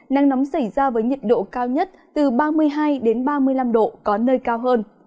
nắng nóng xảy ra với nhiệt độ cao nhất từ ba mươi hai ba mươi năm độ có nơi cao hơn